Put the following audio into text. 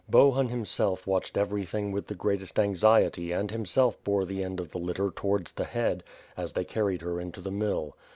Bohun, himself, watched everything with the greatest anxiety and himself bore the end of the litter to wards the head, as they carried her into the mill.